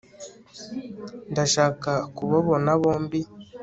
ndashaka kubabona bombi